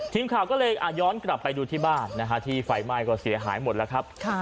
ทีมข่าวก็เลยย้อนกลับไปดูที่บ้านที่ไฟไหม้ก็เสียหายหมดแล้วครับ